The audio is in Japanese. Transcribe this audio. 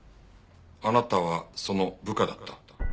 あなたはその部下だった。